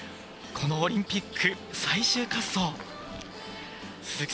このオリンピック、最終滑走。